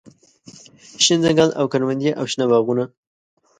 شين ځنګل او کروندې او شنه باغونه